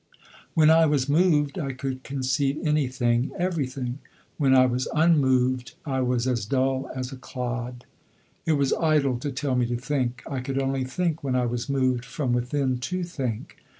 When I was moved I could conceive anything, everything; when I was unmoved I was as dull as a clod. It was idle to tell me to think. I could only think when I was moved from within to think.